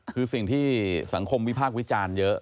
คือสิ่งที่สังคมวิพากษ์วิจารณ์เยอะ